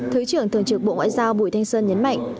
thứ trưởng thường trực bộ ngoại giao bùi thanh sơn nhấn mạnh